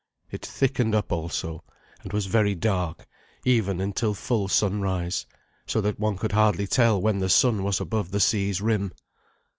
It thickened up also, and was very dark even until full sunrise, so that one could hardly tell when the sun was above the sea's rim.